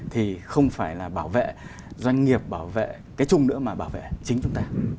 thì không phải là bảo vệ doanh nghiệp bảo vệ cái chung nữa mà bảo vệ chính chúng ta